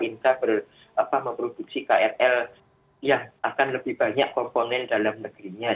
inka memproduksi krl yang akan lebih banyak komponen dalam negerinya